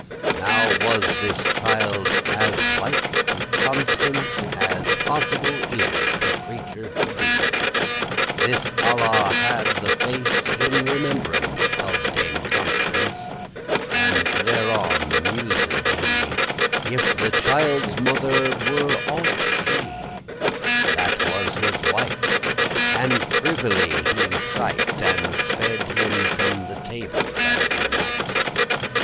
* *point Now was this child as like unto Constance As possible is a creature to be: This Alla had the face in remembrance Of Dame Constance, and thereon mused he, If that the childe's mother *were aught she* *could be she* That was his wife; and privily he sight,* *sighed And sped him from the table *that he might.